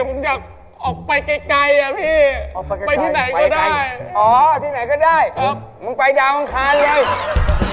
ผมอยากออกไปไกลอะพี่